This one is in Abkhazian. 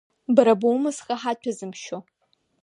Бара боума зхы ҳаҭәазымшьо?!